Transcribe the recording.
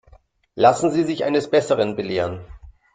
Lassen Sie sich eines Besseren belehren.